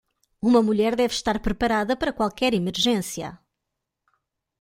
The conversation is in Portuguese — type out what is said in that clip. Uma mulher deve estar preparada para qualquer emergência.